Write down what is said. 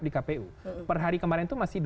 di kpu perhari kemarin itu masih dua puluh satu